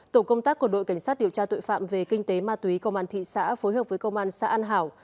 tổ công tác của đội cảnh sát điều tra tội phạm về kinh tế ma túy công an thị xã phối hợp với công an xã an hảo